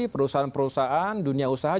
perusahaan perusahaan dunia usaha